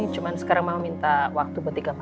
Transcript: cuma sekarang mau minta waktu buat ikan